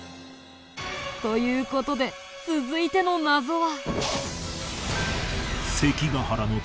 という事で続いての謎は。